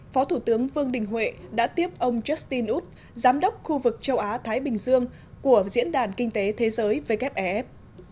phó thủ tướng vương đình huệ đã tiếp ông justin út giám đốc khu vực châu á thái bình dương của diễn đàn kinh tế thế giới wef